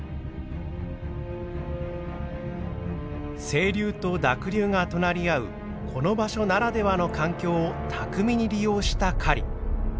清流と濁流が隣り合うこの場所ならではの環境を巧みに利用した狩り。